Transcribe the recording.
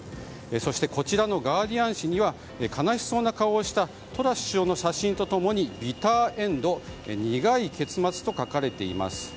そしてガーディアン紙には悲しそうな顔をしたトラス首相の写真と共にビターエンド苦い結末と書かれています。